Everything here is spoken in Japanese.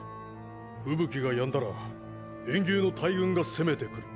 吹雪がやんだら炎牛の大群が攻めてくる。